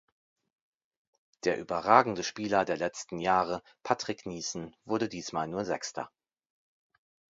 Der überragende Spieler der letzten Jahre Patrick Niessen wurde diesmal nur Sechster.